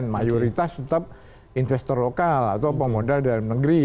mayoritas tetap investor lokal atau pemodal dalam negeri